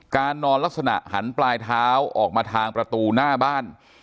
นอนลักษณะหันปลายเท้าออกมาทางประตูหน้าบ้าน